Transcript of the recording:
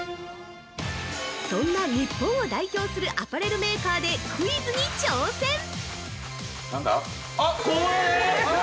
そんな日本を代表するアパレルメーカーでクイズに挑戦。